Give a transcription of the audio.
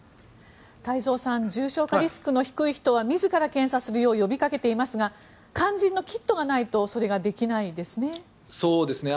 太蔵さん重症化リスクの低い人は自ら検査するよう呼びかけていますが肝心のキットがないとそれができないですね。